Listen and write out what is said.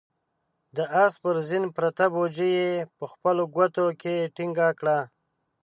د آس پر زين پرته بوجۍ يې په خپلو ګوتو کې ټينګه کړه.